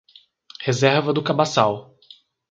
Reserva do Cabaçal